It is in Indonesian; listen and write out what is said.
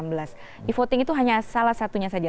e voting itu hanya salah satunya saja